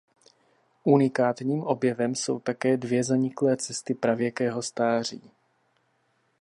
Unikátním objevem jsou také dvě zaniklé cesty pravěkého stáří.